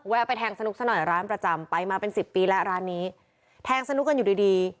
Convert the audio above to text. ไปแทงสนุกซะหน่อยร้านประจำไปมาเป็นสิบปีแล้วร้านนี้แทงสนุกกันอยู่ดีดี